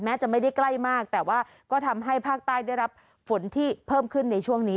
จะไม่ได้ใกล้มากแต่ว่าก็ทำให้ภาคใต้ได้รับฝนที่เพิ่มขึ้นในช่วงนี้